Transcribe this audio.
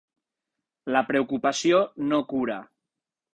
La preocupació no cura.